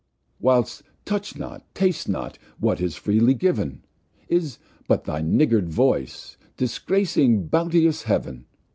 [Page 95] Whilst Touch not, Taste not, what is freely giv'n, Is but thy niggard Voice, disgracing bounteous Heav'n.